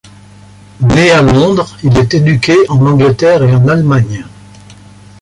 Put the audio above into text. Né à Londres, il est éduqué en Angleterre et en Allemagne.